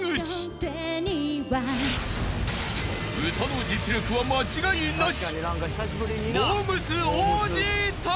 ［歌の実力は間違いなし］